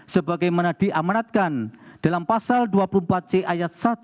sebagaimana diamanatkan dalam pasal dua puluh empat c ayat satu